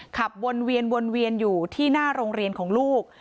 ขับวนเวียนวนเวียนอยู่ที่หน้าโรงเรียนของลูก